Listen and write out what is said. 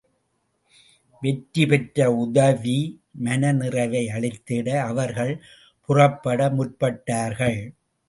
வெற்றி பெற்ற உதவி, மன நிறைவை அளித்திட அவர்கள் புறப்பட முற்பட்டார்கள்.